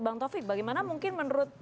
bang taufik bagaimana mungkin menurut